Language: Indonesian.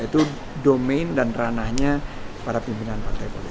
itu domain dan ranahnya para pimpinan partai politik